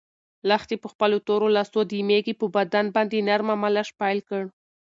لښتې په خپلو تورو لاسو د مېږې په بدن باندې نرمه مالش پیل کړ.